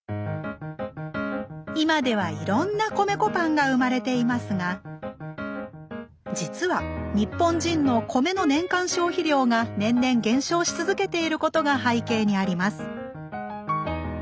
今ではいろんな米粉パンが生まれていますが実は日本人の米の年間消費量が年々減少し続けていることが背景にあります